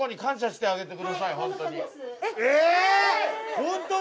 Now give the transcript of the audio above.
ホントに？